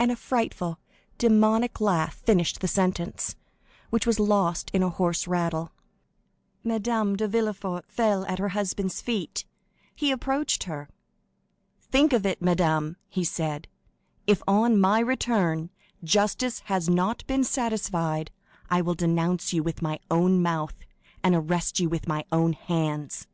and a frightful, demoniac laugh finished the sentence, which was lost in a hoarse rattle. Madame de Villefort fell at her husband's feet. He approached her. "Think of it, madame," he said; "if, on my return, justice has not been satisfied, I will denounce you with my own mouth, and arrest you with my own hands!"